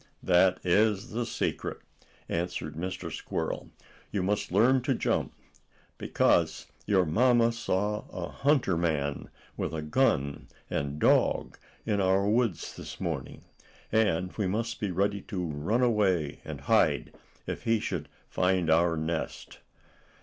"That is the secret," answered Mr. Squirrel. "You must learn to jump because your mamma saw a hunter man, with a gun and dog in our woods this morning, and we must be ready to run away, and hide, if he should find our nest.